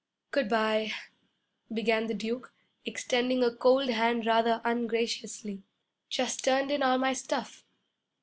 'Good bye,' began the Duke, extending a cold hand rather ungraciously. 'Jus' turned in all my stuff.'